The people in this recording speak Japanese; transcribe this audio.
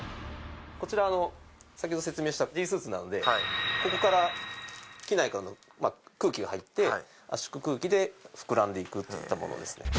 こちら先ほど説明したＧスーツなのでここから機内からの空気が入って圧縮空気で膨らんでいくっていった物ですね。